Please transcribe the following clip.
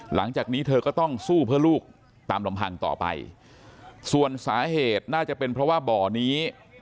หลังจากนี้เธอก็ต้องสู้เพื่อลูกตามลำพังต่อไปส่วนสาเหตุน่าจะเป็นเพราะว่าบ่อนี้